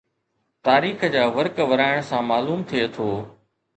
تاريخ جا ورق ورائڻ سان معلوم ٿئي ٿو